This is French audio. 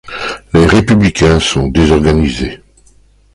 Le Républicains sont désorganisés.